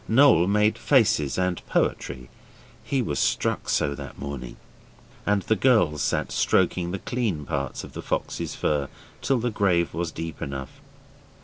Noel made faces and poetry he was struck so that morning and the girls sat stroking the clean parts of the fox's fur till the grave was deep enough.